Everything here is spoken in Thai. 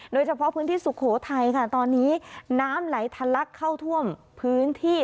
โดยเฉพาะพื้นที่สุโขทัยค่ะตอนนี้น้ำไหลทะลักเข้าท่วมพื้นที่